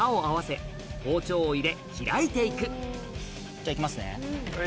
じゃいきますね。